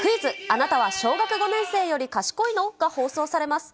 あなたは小学５年生より賢いの？が放送されます。